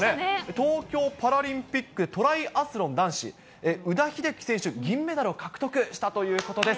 東京パラリンピックトライアスロン男子、宇田秀生選手、銀メダル獲得したということです。